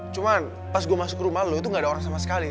cuman pas gue masuk rumah lo itu gak ada orang sama sekali